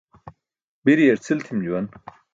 Biryar cʰil tʰim juwan.